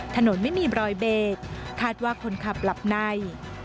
ถนนไม่มีรอยเบรกคาดว่าคนขับหลับใน